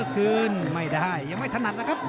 คืนไม่ได้ยังไม่ถนัดนะครับ